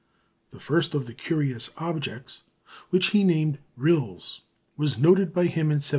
The first of the curious objects which he named "rills" was noted by him in 1787.